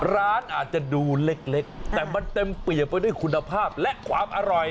ร้านอาจจะดูเล็กแต่มันเต็มเปรียบไปด้วยคุณภาพและความอร่อย